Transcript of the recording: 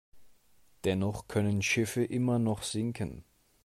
Dennoch können Schiffe immer noch sinken.